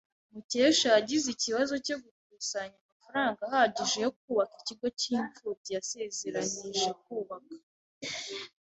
Mukesha yagize ikibazo cyo gukusanya amafaranga ahagije yo kubaka ikigo cyimfubyi yasezeranije kubaka.